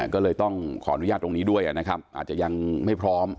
ก็เลยต้องขออนุญาตตรงนี้ด้วยนะครับอาจจะยังไม่พร้อม